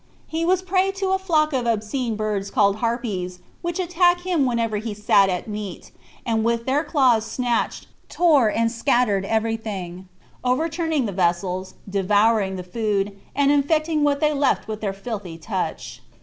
He was a prey to a flock of obscene birds called Harpies, which attacked him whenever he sat at meat, and with their claws snatched, tore, and scattered everything, overturning the vessels, devouring the food, and infecting what they left with their filthy touch.